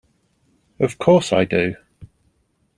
Of course I do!